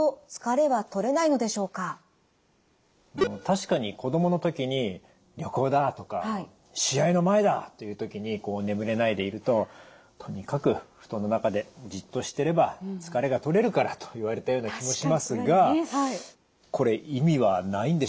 確かに子供の時に「旅行だ」とか「試合の前だ」という時に眠れないでいると「とにかく布団の中でじっとしてれば疲れがとれるから」と言われたような気もしますがこれ意味はないんでしょうか？